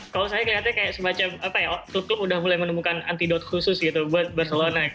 kalau saya kelihatannya kayak semacam apa ya klub klub udah mulai menemukan antidot khusus gitu buat barcelona